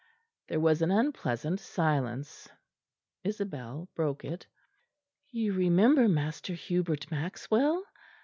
There was an unpleasant silence: Isabel broke it. "You remember Master Hubert Maxwell?"